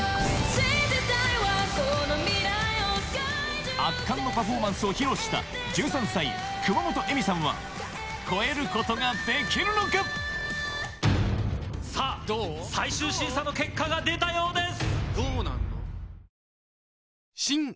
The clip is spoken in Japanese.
信じたいわこの未来を圧巻のパフォーマンスを披露した１３歳熊本エミさんは超えることができるのか⁉最終審査の結果が出たようです！